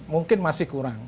mungkin masih kurang